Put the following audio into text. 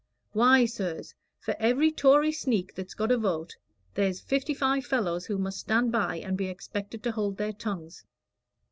Why, sirs, for every Tory sneak that's got a vote, there's fifty five fellows who must stand by and be expected to hold their tongues.